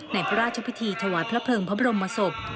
ในพระราชพิธีถวายพระเพลิงพระบรมศพ